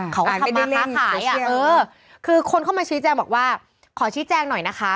เขาก็เข้ามาค้าขายอ่ะเออคือคนเข้ามาชี้แจงบอกว่าขอชี้แจงหน่อยนะคะ